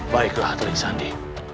baiklah atli sandi